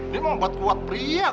dia mau buat kuat pria